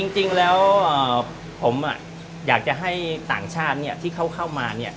จริงแล้วผมอะอยากจะให้ต่างชาติเนี่ยที่เข้ามาเนี่ย